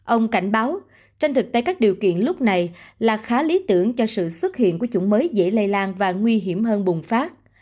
ông cảnh báo trên thực tế các điều kiện lúc này là khá lý tưởng cho sự xuất hiện của chủng mới dễ lây lan và nguy hiểm hơn bùng phát